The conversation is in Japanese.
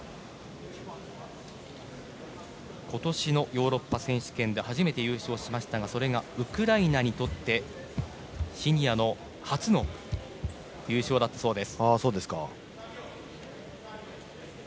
今年のヨーロッパ選手権で初めて優勝しましたがそれがウクライナにとってシニアの初の優勝だったそうです。